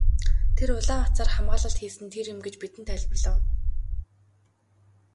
Тэр улаан утсаар хамгаалалт хийсэн нь тэр юм гэж бидэнд тайлбарлав.